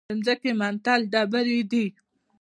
د ځمکې منتل ډبرې دي.